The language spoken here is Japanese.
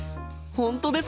本当ですか？